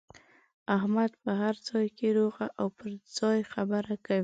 احمد په هر ځای کې روغه او پر ځای خبره کوي.